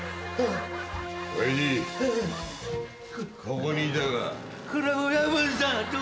ここにいたか。